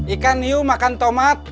ikan yuk makan tomat